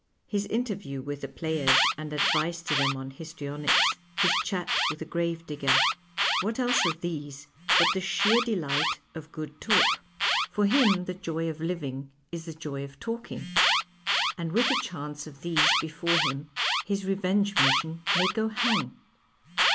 His intcr\iew with the |)layers and advice to them on histrionics, his chat with the gravedigger, what else arc these but the sheer delight of good talk ? For him the joy 1 'J a PASTICHE AND PREJUDICE of living is the joy of talking, and with the chance of these before him his revenge mission may go hang